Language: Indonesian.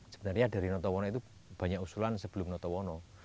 sebenarnya dari notowono itu banyak usulan sebelum notowono